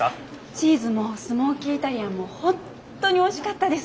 チーズもスモーキーイタリアンもほんっとにおいしかったです！